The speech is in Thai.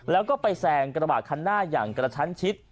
แล้วก็ไปแซงกระบาดคันหน้าอย่างกระชั้นชิด